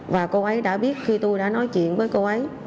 và cô ấy đã biết khi tôi đã nói chuyện với cô ấy